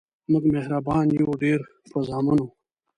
مونږ مهربان یو ډیر په زامنو